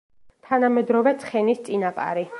თანამედროვე ცხენის წინაპარი.